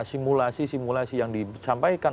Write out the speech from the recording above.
simulasi simulasi yang disampaikan